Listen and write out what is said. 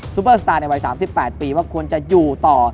เปอร์สตาร์ในวัย๓๘ปีว่าควรจะอยู่ต่อ